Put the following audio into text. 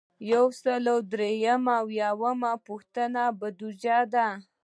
یو سل او درې اویایمه پوښتنه بودیجه ده.